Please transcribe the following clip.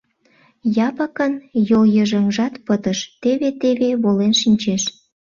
Япыкын йолйыжыҥжат пытыш, теве-теве волен шинчеш.